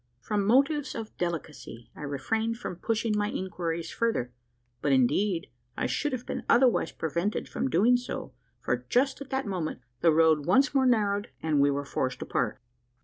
From motives of delicacy I refrained from pushing my inquiries farther; but, indeed, I should have been otherwise prevented from doing so: for, just at that moment, the road once more narrowed, and we were forced apart.